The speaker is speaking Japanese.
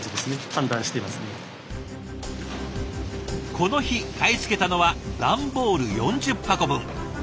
この日買い付けたのは段ボール４０箱分。